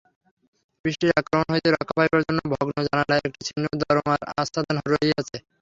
বৃষ্টির আক্রমণ হইতে রক্ষা পাইবার জন্য ভগ্ন জানালায় একটা ছিন্ন দরমার আচ্ছাদন রহিয়াছে।